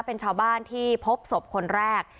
เป็นชาวบ้านที่พบศพคนแรก